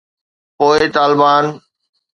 پوءِ طالبان